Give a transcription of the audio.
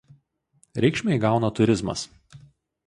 Reikšmę įgauna turizmas.